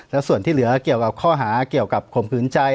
แล้วส่วนที่เหลือเกี่ยวกับข้อหาเกี่ยวกับข่มขืนใจ